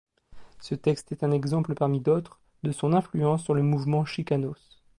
Ce texte est un exemple parmi d'autres de son influence sur le mouvement Chicanos.